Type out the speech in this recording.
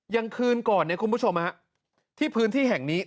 ยังคืนก่อนคุณผู้ชมที่พื้นที่แห่งนี้